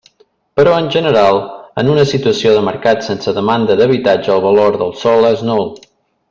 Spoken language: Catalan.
Però, en general, en una situació de mercat sense demanda d'habitatge, el valor del sòl és nul.